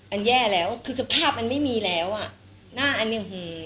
แย่แล้วคือสภาพมันไม่มีแล้วอ่ะหน้าอันเนี้ยหือ